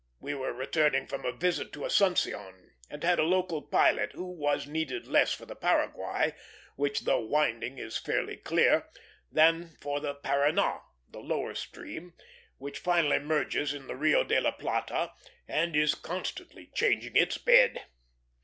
We were returning from a visit to Asuncion, and had a local pilot, who was needed less for the Paraguay, which though winding is fairly clear, than for the Paraná, the lower stream, which finally merges in the Rio de la Plata and is constantly changing its bed.